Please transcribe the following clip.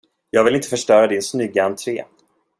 Jag ville inte förstöra din snygga entré.